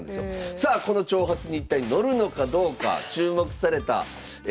さあこの挑発に一体乗るのかどうか注目されたシリーズが開幕。